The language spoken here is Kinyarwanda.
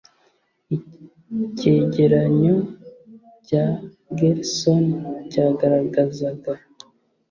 icyegeranyo cya gersony cyagaragazaga